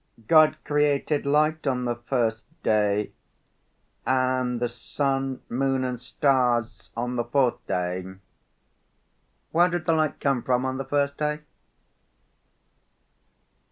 God created light on the first day, and the sun, moon, and stars on the fourth day. Where did the light come from on the first day?"